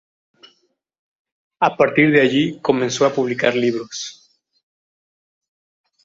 A partir de allí, comenzó a publicar libros.